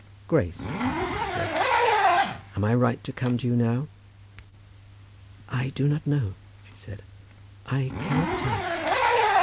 "Grace," he said, "am I right to come to you now?" "I do not know," she said. "I cannot tell."